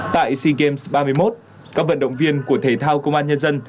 tại sea games ba mươi một các vận động viên của thể thao công an nhân dân